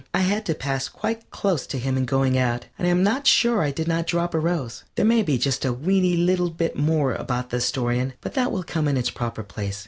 I had to pass quite close to him in going out, and I am not sure I did not drop a rose. There may be just a weenie little bit more about the Astorian, but that will come in its proper place.